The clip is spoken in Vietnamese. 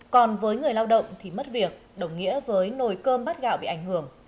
còn với người lao động thì mất việc đồng nghĩa với nồi cơm bắt gạo bị ảnh hưởng